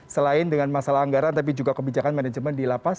selain dengan masalah anggaran tapi juga kebijakan manajemen di lapas